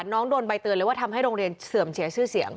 น้องโดนใบเตือนเลยว่าทำให้โรงเรียนเสื่อมเสียชื่อเสียง